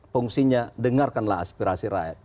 fungsinya dengarkanlah aspirasi rakyat